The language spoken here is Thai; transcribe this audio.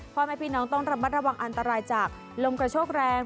เพราะไม่พี่น้องต้องระวังอันตรายจากลมกระโชคแรง